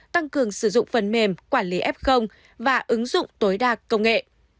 tăng cường sử dụng phần mềm quản lý f và ứng dụng tối đa công nghệ